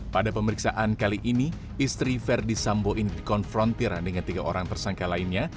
pada pemeriksaan kali ini istri verdi sambo ini dikonfrontir dengan tiga orang tersangka lainnya